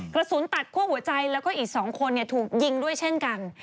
กระสุนตัดคั่วหัวใจแล้วก็อีก๒คนถูกยิงด้วยเช่นกัน